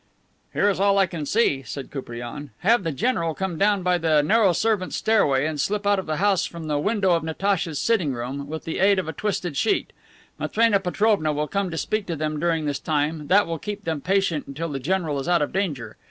"Here is all I can see," said Koupriane. "Have the general come down by the narrow servants' stairway, and slip out of the house from the window of Natacha's sitting room, with the aid of a twisted sheet. Matrena Petrovna will come to speak to them during this time; that will keep them patient until the general is out of danger.